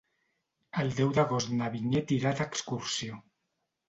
El deu d'agost na Vinyet irà d'excursió.